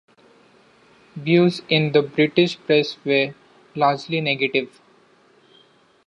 Views in the British press were largely negative.